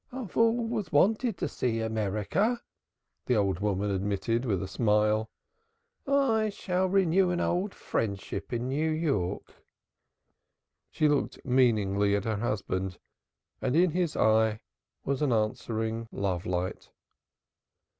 "I always wanted to see America," the old woman admitted with a smile. "I also shall renew an old friendship in New York." She looked meaningly at her husband, and in his eye was an answering love light.